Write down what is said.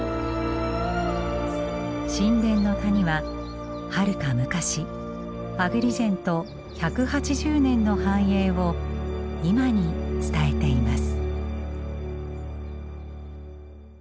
神殿の谷ははるか昔アグリジェント１８０年の繁栄を今に伝えています。